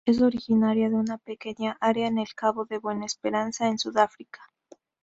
Es originaria de una pequeña área en el Cabo de Buena Esperanza en Sudáfrica.